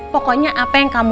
pokoknya apa yang kamu